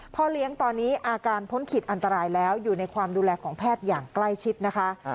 พ่อเลี้ยงตอนนี้อาการพ้นขีดอันตรายแล้วอยู่ในความดูแลของแพทย์อย่างใกล้ชิดนะคะ